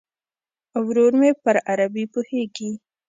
ورور مې پر عربي پوهیږي.